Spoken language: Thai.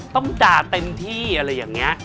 ด่าเต็มที่อะไรอย่างนี้